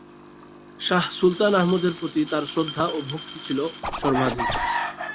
শাহ সুলতান আহমদের প্রতি তার শ্রদ্ধা ও ভক্তি ছিল সর্বাধিক।